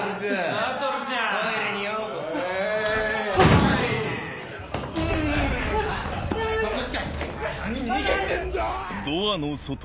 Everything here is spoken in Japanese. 何逃げてんだおい！